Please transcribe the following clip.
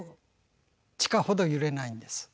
地下ほど揺れないんです。